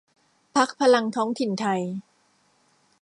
พรรคพลังท้องถิ่นไท